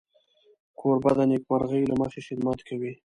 کوربه د نېکمرغۍ له مخې خدمت کوي.